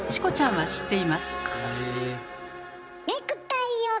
はい。